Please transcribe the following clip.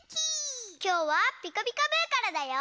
きょうは「ピカピカブ！」からだよ。